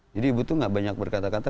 jadi ibu itu tidak banyak berkata kata